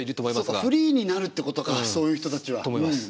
フリーになるっていうことかそういう人たちは。と思います。